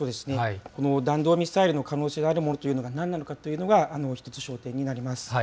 弾道ミサイルの可能性があるものが何なのかというのが、一つ焦点になります。